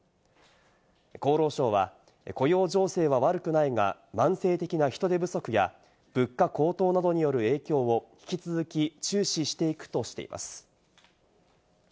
厚労省は雇用情勢は悪くないが、慢性的な人手不足や物価高騰などによる影響を引き続き注視していくとしています。